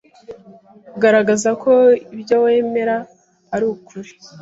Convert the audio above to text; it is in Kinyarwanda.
Garagaza ko ibyo wemera ari ukuri,